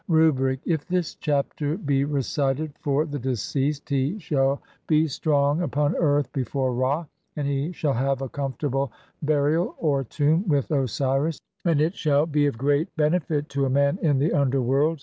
Rubric : if this chapter be recited for the deceased he shall BE STRONG UPON EARTH BEFORE RA, AND HE SHALL HAVE A COMFORTABLE BURIAL {OR TOMB) WITH OSIRIS, AND IT SHALL UK OF GREAT BENEFIT TO A MAN IN THE UNDERWORLD.